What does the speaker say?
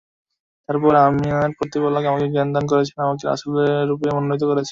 তারপর আমার প্রতিপালক আমাকে জ্ঞানদান করেছেন এবং আমাকে রাসূলরূপে মনোনীত করেছেন।